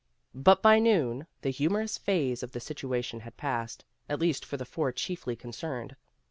But by noon the humorous phase of the situ ation had passed, at least for the four chiefly concerned.